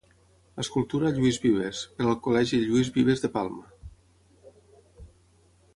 Escultura a Lluís Vives, per al Col·legi Lluís Vives de Palma.